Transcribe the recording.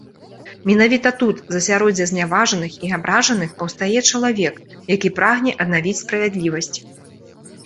Менавіта тут з асяроддзя зняважаных і абражаных паўстае чалавек, які прагне аднавіць справядлівасць.